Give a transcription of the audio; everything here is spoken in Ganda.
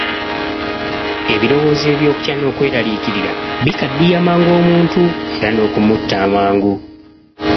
Ebirowoozo eby'okutya n'okweraliikirira bikaddiya mangu omuntu era n'okumutta amangu.